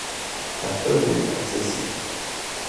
Аҳәыҳәи аҵыси.